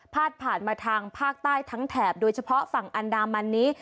ผ่านมาทางภาคใต้ทั้งแถบโดยเฉพาะฝั่งอันดามันนี้